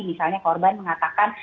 misalnya korban mengatakan